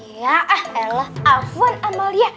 ya ah elah afuan amalia